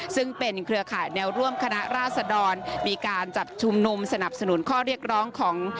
ซึ่งเป็นเครือข่ายแนวร่วมคณะราษดรมีการจัดชุมนุมสนับสนุนข้อเรียกร้องของ